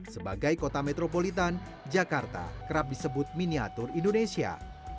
sebagai kota metropolitan jakarta kerap disebut miniatur indonesia